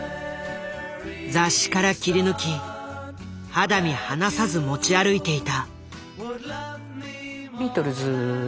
雑誌から切り抜き肌身離さず持ち歩いていた。